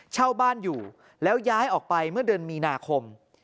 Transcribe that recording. เช่าบ้านอยู่แล้วย้ายออกไปเมื่อเดือนมีนาคม